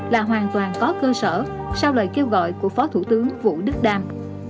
là hoàn toàn có cơ sở sau lời kêu gọi của phó thủ tướng vũ đức đam